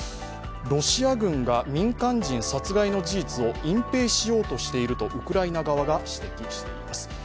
ロシア軍が民間人殺害の事実を隠蔽しようとしているとウクライナ側が指摘しています。